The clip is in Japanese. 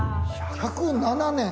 １０７年。